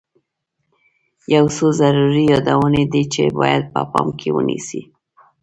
یو څو ضروري یادونې دي چې باید په پام کې ونیسئ.